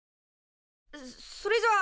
そそれじゃあ。